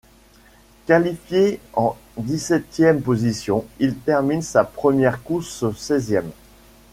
Qualifié en dix-septième position, il termine sa première course seizième.